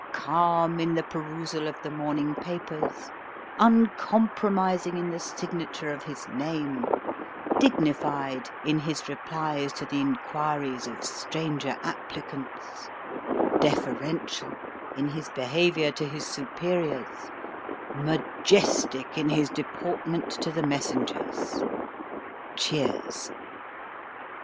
Calm in the perusal of the morning papers, uncompromising in the signature of his name, dignified in his replies to the inquiries of stranger applicants, deferential in his behaviour to his superiors, majestic in his deportment to the messengers. (Cheers.)